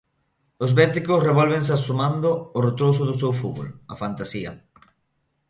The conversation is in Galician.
Os béticos revólvense asomando o retrouso do seu fútbol: a fantasía.